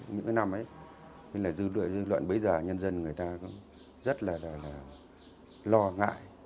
những năm ấy dư luận bấy giờ nhân dân người ta cũng rất là lo ngại